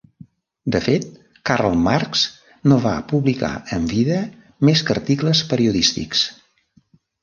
De fet, Karl Marx no va publicar en vida més que articles periodístics.